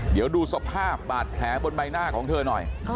เดี๋ยวดูสภาพบาดแผลบนใบหน้าของเธอหน่อย